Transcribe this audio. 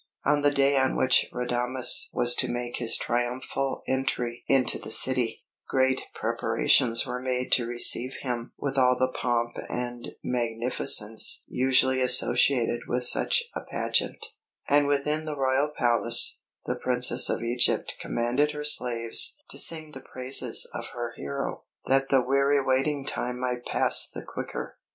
On the day on which Radames was to make his triumphal entry into the city, great preparations were made to receive him with all the pomp and magnificence usually associated with such a pageant; and within the royal palace, the Princess of Egypt commanded her slaves to sing the praises of her hero, that the weary waiting time might pass the quicker.